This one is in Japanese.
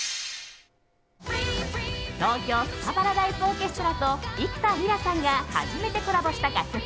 東京スカパラダイスオーケストラと幾田りらさんが初めてコラボした楽曲